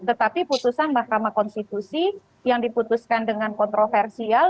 tetapi putusan mahkamah konstitusi yang diputuskan dengan kontroversial